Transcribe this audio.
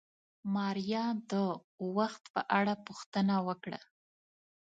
ماريا د وخت په اړه پوښتنه وکړه.